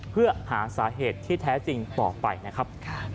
เพื่อหาสาเหตุที่แท้จริงต่อไปนะครับ